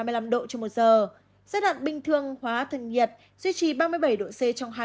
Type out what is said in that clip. giai đoạn bình thường hóa thân nhiệt duy trì ba mươi bảy độ c trong hai mươi bốn giờ